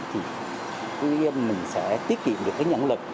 thì mình sẽ tiết kiệm được cái nhận lực